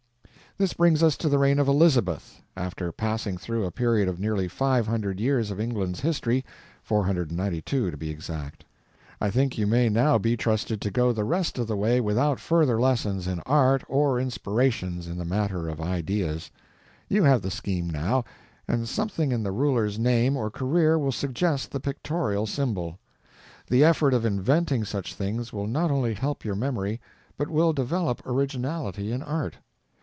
This brings us to the reign of Elizabeth, after passing through a period of nearly five hundred years of England's history—492 to be exact. I think you may now be trusted to go the rest of the way without further lessons in art or inspirations in the matter of ideas. You have the scheme now, and something in the ruler's name or career will suggest the pictorial symbol. The effort of inventing such things will not only help your memory, but will develop originality in art.